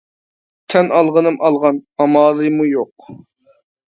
تەن ئالغىنىم ئالغان، ئامالىمۇ يوق!